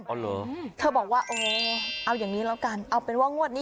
อ๋อเหรอเธอบอกว่าโอ้เอาอย่างนี้แล้วกันเอาเป็นว่างวดนี้